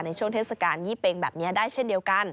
ช่วงเทศกาลยี่เปงแบบนี้ได้เช่นเดียวกัน